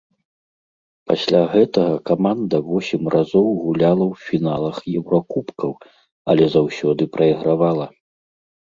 Пасля гэтага каманда восем разоў гуляла у фіналах еўракубкаў, але заўсёды прайгравала.